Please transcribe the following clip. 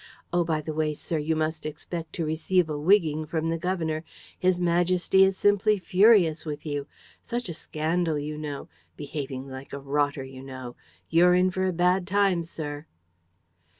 ... Oh, by the way, sir, you must expect to receive a wigging from the governor! His Majesty is simply furious with you. Such a scandal, you know! Behaving like a rotter, you know! You're in for a bad time, sir!"